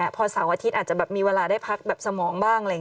พอเสาร์อาทิตย์มีเวลาได้พักด้วยที่สมองบ้าง